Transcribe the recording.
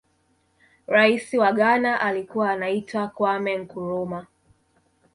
raisi wa ghana alikuwa anaitwa kwame nkurumah